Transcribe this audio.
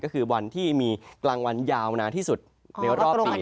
ก็คือวันที่มีกลางวันยาวนานที่สุดในรอบปี